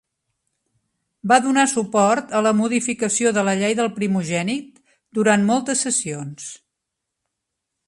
Va donar suport a la modificació de la llei del primogènit durant moltes sessions.